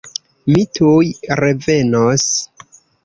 Mi tuj revenos!